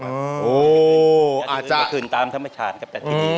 คือการใช้เงินทึ่งตามธรรมชาติครับ